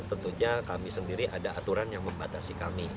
tentunya kami sendiri ada aturan yang membatasi kami